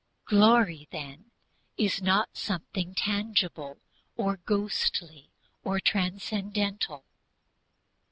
Glory then is not something intangible, or ghostly, or transcendental.